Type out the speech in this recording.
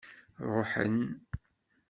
Ṛuḥen.